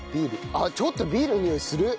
あっちょっとビールのにおいする。